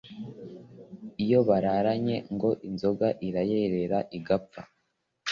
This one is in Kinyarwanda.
iyo bararanye ngo inzoga iranyerera igapfa